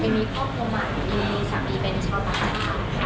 ไปมีครอบครัวใหม่มีสามีเป็นชาวต่างค่ะ